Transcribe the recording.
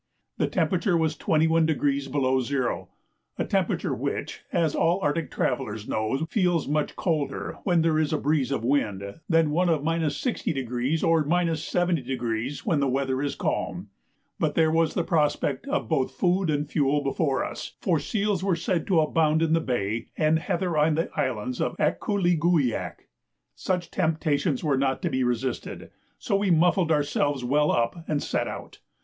The temperature was 21° below zero, a temperature which, as all Arctic travellers know, feels much colder, when there is a breeze of wind, than one of 60° or 70° when the weather is calm. But there was the prospect of both food and fuel before us, for seals were said to abound in the bay and heather on the islands of Akkooleeguwiak. Such temptations were not to be resisted; so we muffled ourselves well up and set out.